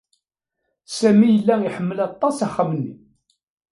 Sami yella iḥemmel aṭas axxam-nni.